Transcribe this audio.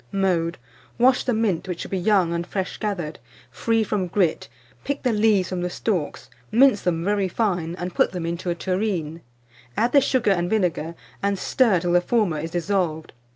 Mode. Wash the mint, which should be young and fresh gathered, free from grit; pick the leaves from the stalks, mince them very fine, and put them into a tureen; add the sugar and vinegar, and stir till the former is dissolved.